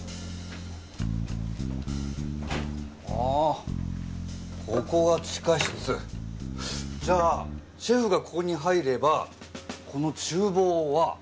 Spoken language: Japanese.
あぁここが地下室？じゃあシェフがここに入ればこの厨房は。